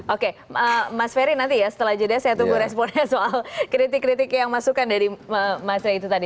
oke mas ferry nanti ya setelah jeda saya tunggu responnya soal kritik kritik yang masukan dari mas rey itu tadi